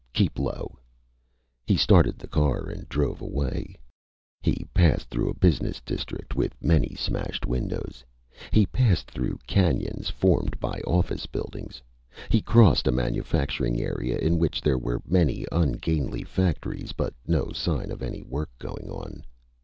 Keep low!" He started the car and drove away. He passed through a business district, with many smashed windows. He passed through canyons formed by office buildings. He crossed a manufacturing area, in which there were many ungainly factories but no sign of any work going on.